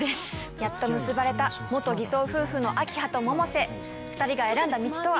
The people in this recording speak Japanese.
やっと結ばれた元偽装夫婦の明葉と百瀬２人が選んだ道とは？